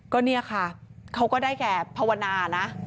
ก็เนี่ยค่ะเขาก็ได้แก่ภาวนานะ